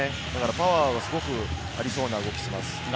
パワーはすごくありそうな動きをしています。